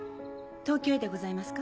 東京へでございますか？